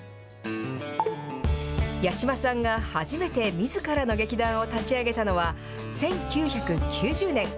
八嶋さんが初めてみずからの劇団を立ち上げたのは、１９９０年。